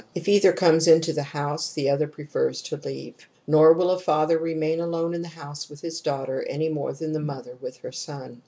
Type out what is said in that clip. If either comes into the house, the other prefers to leave. Nor will a father remain alone in the house with his daughter any more than the mother with her son.